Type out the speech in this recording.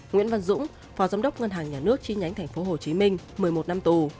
nguyễn văn dũng phó giám đốc ngân hàng nhà nước chi nhánh tp hcm một mươi một năm tù